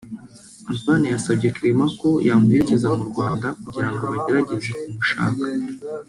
Antoine yasabye Clement ko yamuherekeza mu Rwanda kugirango bagerageze kumushaka